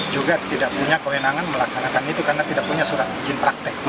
juga tidak punya kewenangan melaksanakan itu karena tidak punya surat izin praktek